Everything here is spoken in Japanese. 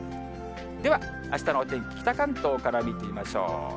では、あしたのお天気、北関東から見てみましょう。